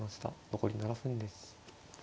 残り７分です。